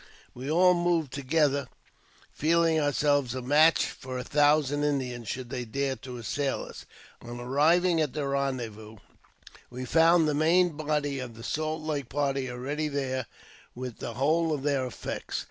We all moved on together, feeling ourselves a match for a thousand Indians, should they dare to assail us. On arriving at the rendezvous, we found the main body of the Salt Lake party already there with the whole of their effects.